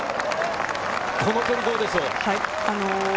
この距離、どうでしょう？